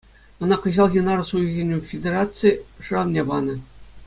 Ӑна кӑҫалхи нарӑс уйӑхӗн федераци шыравне панӑ.